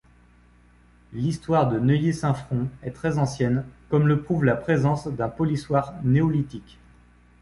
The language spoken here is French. L'histoire de Neuilly-Saint-Front est très ancienne comme le prouve la présence d'un polissoir néolithique.